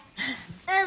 うん。